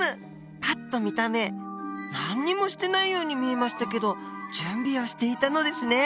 パッと見た目何にもしてないように見えましたけど準備をしていたのですね。